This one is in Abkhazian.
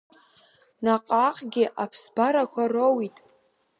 Наҟааҟгьы аԥсҭбарақәа роуит.